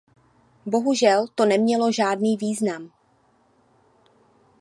Bohužel to nemělo žádný význam.